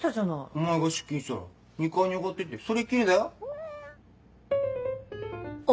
お前が出勤したら２階に上がってってそれっきりだよ？